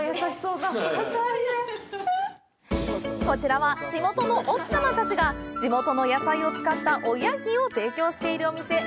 こちらは、地元の奥様たちが地元の野菜を使ったおやきを提供しているお店。